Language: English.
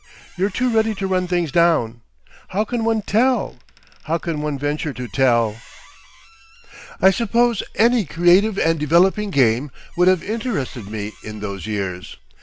"You're too ready to run things down. How can one tell? How can one venture to tell?..." I suppose any creative and developing game would have interested me in those years.